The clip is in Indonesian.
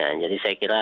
ya jadi saya kira